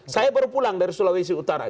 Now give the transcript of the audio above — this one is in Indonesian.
saya baru pulang dari sulawesi utara